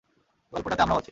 গল্পটাতে আমরাও আছি।